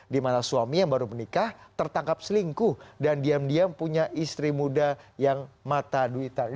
dimana suami yang baru menikah tertangkap selingkuh dan diam diam punya istri muda yang mata duitan